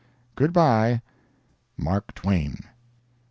Good bye, MARK TWAIN.